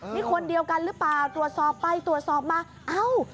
นี่คนเดียวกันหรือเปล่าตรวจสอบไปตรวจสอบมาเอ้า